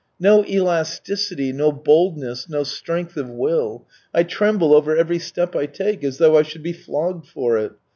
,.. No elasticity, no boldness, no strength of will; I tremble over every step I take as though I should be flogged for it.